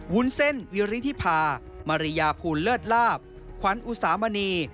วุ้นเส้นวิริธิพามาริยาภูลเลิศลาบขวัญอุสามณี